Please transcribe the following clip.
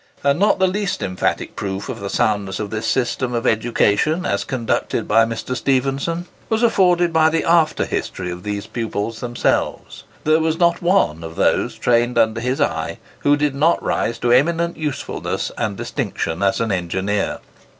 And not the least emphatic proof of the soundness of this system of education, as conducted by Mr. Stephenson, was afforded by the after history of these pupils themselves. There was not one of those trained under his eye who did not rise to eminent usefulness and distinction as an engineer.